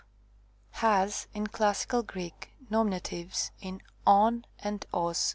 12) has, in classical Greek, nominatives in wy and ws.